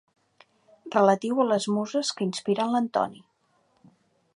Relatiu a les muses que inspiren l'Antoni.